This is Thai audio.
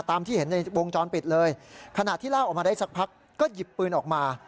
ตามที่เห็นในวงจรปิดเลยขณะที่ลากออกมาได้สักพักก็หยิบปืนออกมา